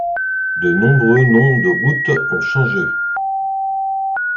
De nombreux noms de routes ont changé.